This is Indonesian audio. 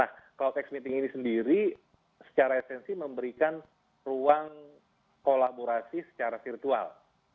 nah closex meeting ini sendiri secara esensi memberikan ruang kolaborasi secara virtual